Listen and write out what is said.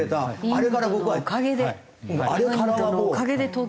あれから。